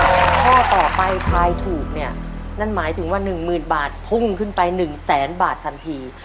ข้อต่อไปทายถูกเนี่ยนั่นหมายถึงว่า๑๐๐๐บาทพุ่งขึ้นไป๑แสนบาททันที